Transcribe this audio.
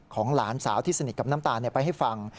หลานสาวที่สนิทกับน้ำตาลไปให้ฟัง